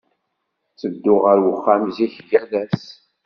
Ttedduɣ ɣer uxxam zik yal ass.